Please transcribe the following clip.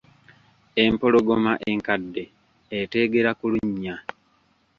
Empologoma enkadde eteegera ku lunnya.